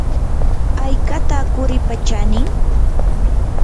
¿haykataq quripa chanin?